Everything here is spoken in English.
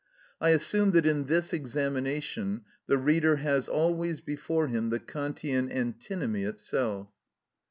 I assume that in this examination the reader has always before him the Kantian antinomy itself.